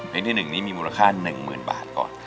เพลงที่หนึ่งนี้มีมูลค่าหนึ่งหมื่นบาทก่อน